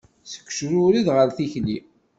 Seg ucrured ɣer tikli.